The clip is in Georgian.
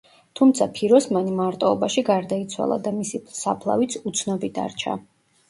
თუმცა ფიროსმანი მარტოობაში გარდაიცვალა და მისი საფლავიც უცნობი დარჩა.